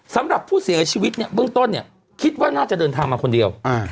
สำหรับผู้เสียชีวิตเนี่ยเบื้องต้นเนี่ยคิดว่าน่าจะเดินทางมาคนเดียว